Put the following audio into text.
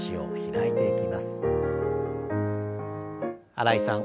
新井さん